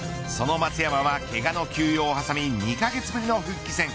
その松山はけがの休養を挟み２カ月ぶりの復帰戦。